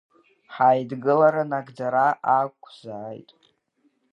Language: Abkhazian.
Ҳаидгылара нагӡара ақәзааит!